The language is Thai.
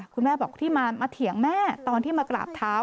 คุณแม่บอกที่มาเถียงแม่ตอนที่มากราบเท้า